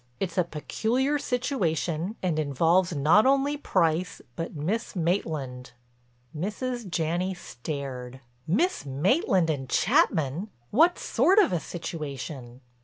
It's a peculiar situation and involves not only Price but Miss Maitland." Mrs. Janney stared: "Miss Maitland and Chapman! What sort of a situation?"